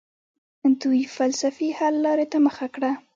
دوی فلسفي حل لارې ته مخه کړه.